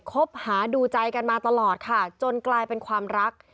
คบหาดูใจกันมาตลอดค่ะจนกลายเป็นความรัก